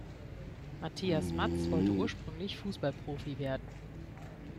Matthias Matz wollte ursprünglich Fußballprofi werden.